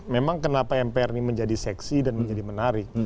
memang kenapa mpr ini menjadi seksi dan menjadi menarik